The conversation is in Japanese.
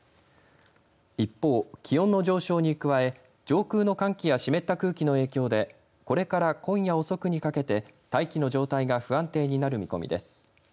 一方、気温の上昇に加え上空の寒気や湿った空気の影響でこれから今夜遅くにかけて大気の状態が不安定になる見込みです。